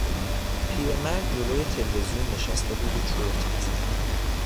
پیرمرد جلو تلویزیون نشسته بود و چرت میزد.